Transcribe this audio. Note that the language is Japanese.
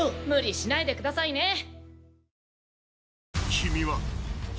無理しないでくださいね。